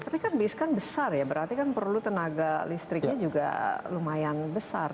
tapi kan bis kan besar ya berarti kan perlu tenaga listriknya juga lumayan besar